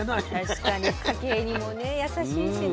確かに家計にも優しいしね。